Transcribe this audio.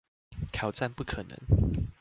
挑戰不可能